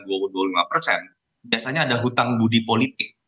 biasanya ada hutang budi politik